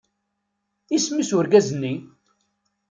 Isem-is urgaz-nni?